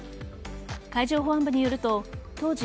海上保安部によると当時